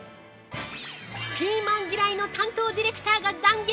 ◆ピーマン嫌いの担当ディレクターが断言！